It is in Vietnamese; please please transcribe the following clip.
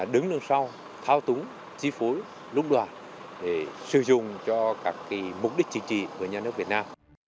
đứng đằng sau thao túng chi phối lúc đoàn để sử dụng cho các mục đích chính trị của nhà nước việt nam